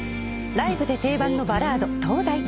ライブで定番のバラード『灯台』